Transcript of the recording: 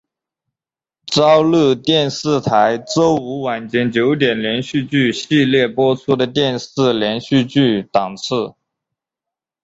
朝日电视台周五晚间九点连续剧系列播出的电视连续剧档次。